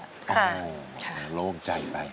โอ้โหร่วมใจไป